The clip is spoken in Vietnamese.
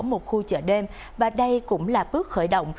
một khu chợ đêm và đây cũng là bước khởi động